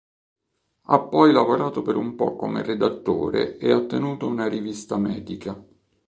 Ha poi lavorato per un po' come redattore e ha tenuto una rivista medica.